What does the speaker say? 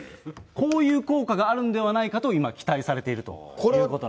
こういう効果があるんではないかと、今、期待されているということなんですね。